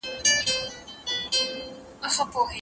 - جان محمد فنا، شاعر.